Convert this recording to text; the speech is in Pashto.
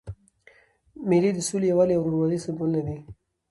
مېلې د سولي، یووالي او ورورولۍ سېمبولونه دي.